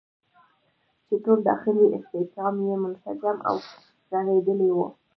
چې ټول داخلي استحکام یې منسجم او رغېدلی وي.